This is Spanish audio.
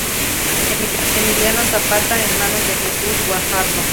Emiliano Zapata en manos de Jesús Guajardo.